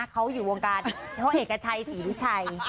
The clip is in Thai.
เขาอยู่วงการพ่อเอกอาชัยสีวิชัย